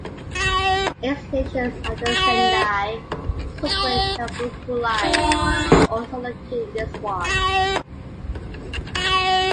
Eight stations of the Sendai Subway Nanboku Line are also located in this ward.